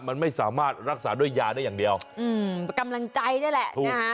มันไม่สามารถรักษาด้วยยาได้อย่างเดียวอืมกำลังใจนี่แหละถูกฮะ